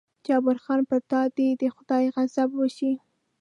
جبار خان: پر تا دې د خدای غضب وشي.